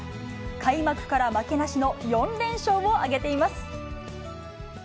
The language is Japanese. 開幕から負けなしの４連勝を挙げています。